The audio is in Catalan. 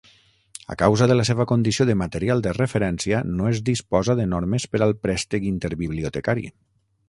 A causa de la seva condició de material de referència, no es disposa de normes per al préstec interbibiliotecari.